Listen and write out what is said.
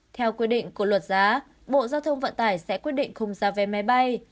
theo quy định của luật giá bộ giao thông vận tải sẽ quyết định khung giá vé máy bay